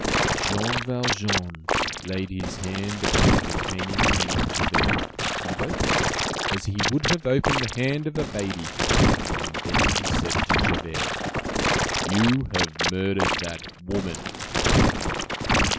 Jean Valjean laid his hand upon the detaining hand of Javert, and opened it as he would have opened the hand of a baby; then he said to Javert:— "You have murdered that woman."